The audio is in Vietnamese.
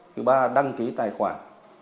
thứ ba là đăng ký tài khoản